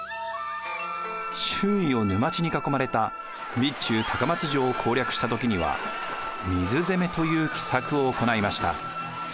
周囲を沼地に囲まれた備中高松城を攻略した時には水攻めという奇策を行いました。